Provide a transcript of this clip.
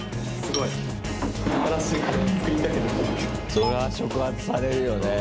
それは触発されるよねえ。